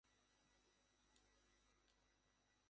নিরীহ কৃষক-মজুরদের জায়গা-জমির দলিল জমা রেখে তাদের ঋণ দেন।